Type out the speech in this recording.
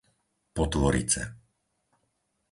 Potvorice